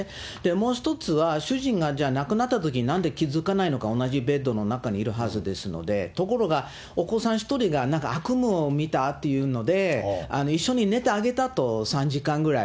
もう１つは、主人がじゃあ、亡くなったときになんで気付かないのか、同じベッドの中にいるはずですので、ところがお子さん１人がなんか悪夢を見たというので、一緒に寝てあげたと、３時間ぐらい。